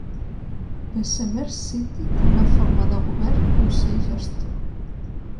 Bessemer City té una forma de govern consell-gestor.